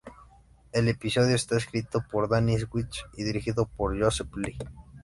El episodio está escrito por Danny Smith y dirigido por Joseph Lee.